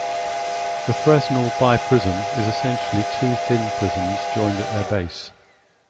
The Fresnel biprism is essentially two thin prisms joined at their base.